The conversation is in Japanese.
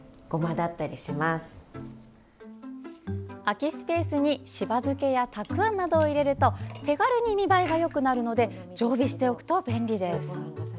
空きスペースにしば漬けやたくあんなどを入れると手軽に見栄えがよくなるので常備しておくと便利です。